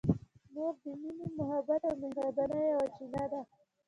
مور د مینې، محبت او مهربانۍ یوه چینه ده.